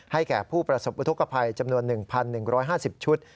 แก่ผู้ประสบอุทธกภัยจำนวน๑๑๕๐ชุด